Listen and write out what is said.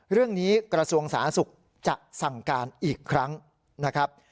เรื่องนี้กระทรวงสาธุสุขจะสั่งการอีกครั้งนะครับ